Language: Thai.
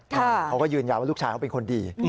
เขาก็ยืนยันว่าลูกชายเขาเป็นคนดี